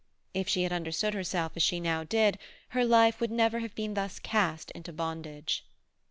If she had understood herself as she now did, her life would never have been thus cast into bondage.